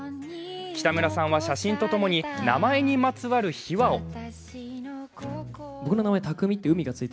北村さんは写真とともに名前にまつわる秘話を。